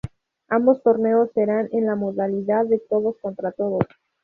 Ambos torneos serán en la modalidad de todos contra todos.